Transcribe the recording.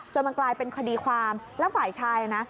มันกลายเป็นคดีความแล้วฝ่ายชายนะ